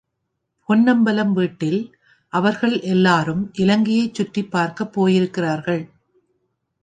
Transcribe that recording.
பொன்னம்பலம் வீட்டில் அவர்கள் எல்லாரும் இலங்கையைச் சுற்றிப் பார்க்கப் போயிருக்கிறார்கள்.